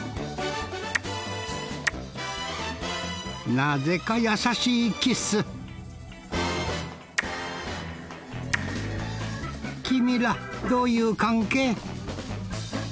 なぜか優しいキス君らどういう関係？